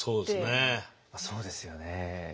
そうですよね。